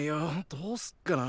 どうすっかな。